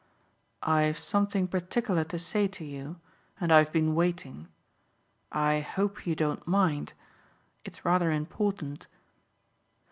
"I've something particular to say to you and I've been waiting. I hope you don't mind. It's rather important."